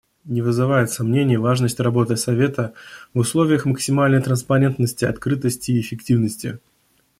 Не вызывает сомнений важность работы Совета в условиях максимальной транспарентности, открытости и эффективности.